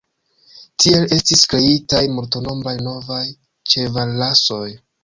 Tiel estis kreitaj multnombraj novaj ĉevalrasoj.